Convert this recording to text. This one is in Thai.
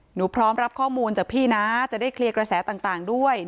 พร้อมรับข้อมูลจากพี่นะจะได้เคลียร์กระแสต่างด้วย